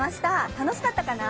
楽しかったかな？